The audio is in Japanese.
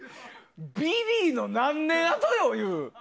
ビリーの何年あとという。